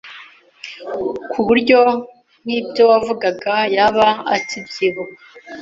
kuburyo nk’ibyo wavugaga yaba akibyibuka.